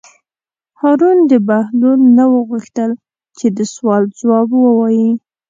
هارون د بهلول نه وغوښتل چې د سوال ځواب ووایي.